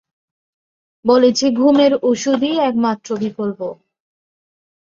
বলেছি ঘুমের ওষুধই একমাত্র বিকল্প।